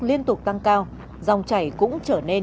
liên tục tăng cao dòng chảy cũng trở nên